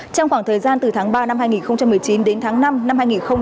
trong khoảng thời gian từ tháng ba năm hai nghìn một mươi chín đến tháng năm năm hai nghìn hai mươi